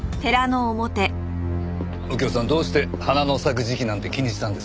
右京さんどうして花の咲く時期なんて気にしたんです？